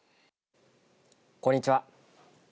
こんにちは。